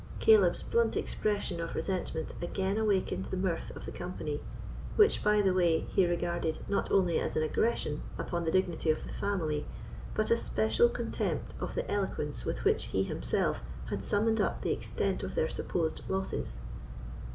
Caleb's blunt expression of resentment again awakened the mirth of the company, which, by the way, he regarded not only as an aggression upon the dignity of the family, but a special contempt of the eloquence with which he himself had summed up the extent of their supposed losses.